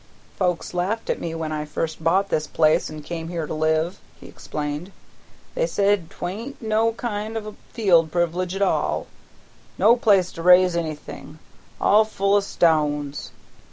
"Folks laughed at me when I first bought this place an' come here to live," he explained. "They said 'twa'n't no kind of a field privilege at all; no place to raise anything, all full o' stones.